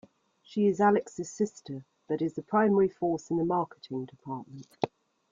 She is Alex's sister, but is a primary force in the Marketing Department.